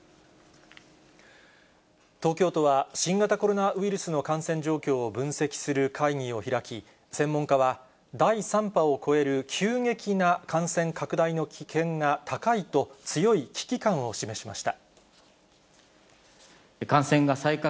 東京都は、新型コロナウイルスの感染状況を分析する会議を開き、専門家は、第３波を超える急激な感染拡大の危険が高いと、強い危機感を示しました。